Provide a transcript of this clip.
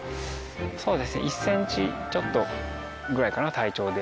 そうですね１センチちょっとぐらいかな体長で。